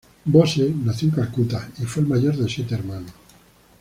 Bose nació en Calcuta y fue el mayor de siete hermanos.